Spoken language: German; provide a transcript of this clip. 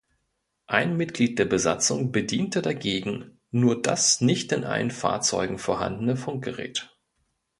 Ein Mitglied der Besatzung bediente dagegen nur das nicht in allen Fahrzeugen vorhandene Funkgerät.